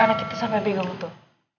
tuh anak kita sampai bingung tuh